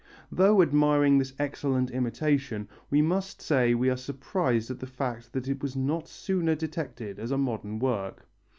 Though admiring this excellent imitation, we must say we are surprised at the fact that it was not sooner detected as modern work.